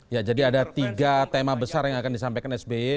ya jadi ada tiga tema besar yang akan disampaikan sby